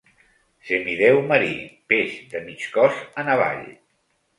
Semidéu marí, peix de mig cos en avall.